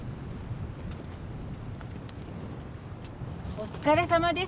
お疲れさまです。